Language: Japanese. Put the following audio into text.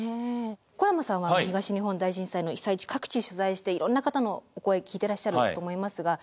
小山さんは東日本大震災の被災地各地取材していろんな方のお声聞いてらっしゃると思いますが。